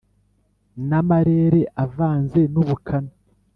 n' amarere avanze n' ubukana